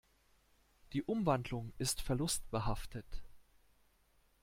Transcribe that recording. Die Umwandlung ist verlustbehaftet.